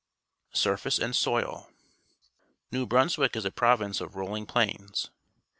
Surface and Soil. — New Brunswick is a province of rolling plains.